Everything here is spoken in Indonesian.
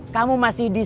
kamu masih diberi